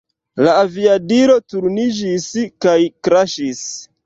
La aviadilo turniĝis kaj kraŝis.